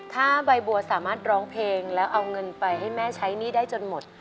ถ้าใบบัวสามารถร้องเพลงแล้วเอาเงินไปให้แม่ใช้หนี้ได้จนหมด